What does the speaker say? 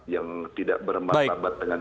yang tidak bermartabat dengan